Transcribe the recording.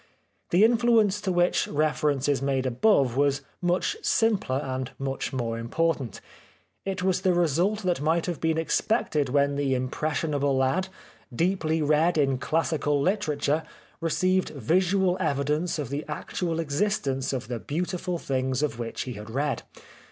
The influence to which reference is made above was much simpler and much more important. It was the result that might have been expected when an impres 149 The Life of Oscar Wilde sionable lad, deeply read in classical literature, re ceived visual evidence of the actual existence of the beautiful things of which he had read.